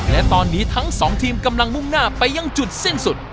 และตอนนี้ทั้งสองทีมกำลังมุ่งหน้าไปยังจุดสิ้นสุด